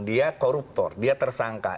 dia koruptor dia tersangka